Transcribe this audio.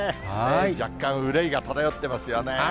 若干憂いが漂ってますよね。